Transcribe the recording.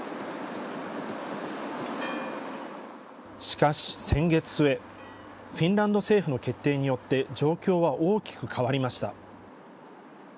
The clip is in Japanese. しかし、先月末フィンランド政府の決定によって状況は大きく変わりました。